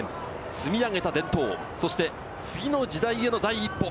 積み上げた伝統、そして次の時代への第一歩。